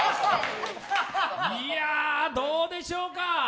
いや、どうでしょうか。